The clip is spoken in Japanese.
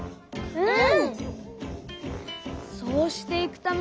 うん！